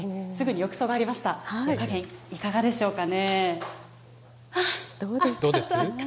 湯加減いかがでしょうかね。